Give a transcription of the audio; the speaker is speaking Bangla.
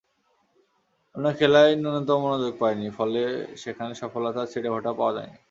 অন্য খেলায় ন্যূনতম মনোযোগ দিইনি, ফলে সেখানে সফলতার ছিটেফোঁটাও পাওয়া যায়নি।